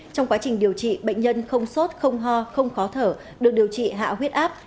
trong quá trình điều trị bệnh nhân không sốt không ho không khó thở được điều trị hạ huyết áp